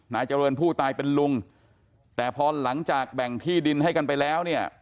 นายเจริญผู้ตายเป็นลุงแต่พอหลังจากแบ่งที่ดินให้กันไปแล้วเนี่ย